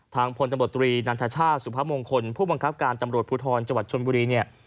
พลตำรวจตรีนันทชาติสุพมงคลผู้บังคับการตำรวจภูทรจังหวัดชนบุรีเนี่ย